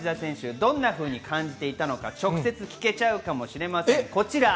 どんなふうに感じていたのか直接聞けるかもしれません。